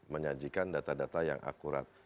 menyajikan data data yang akurat